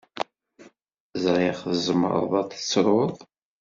Ẓriɣ tzemreḍ ad tettruḍ.